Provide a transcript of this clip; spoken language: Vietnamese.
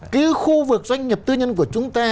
cái khu vực doanh nghiệp tư nhân của chúng ta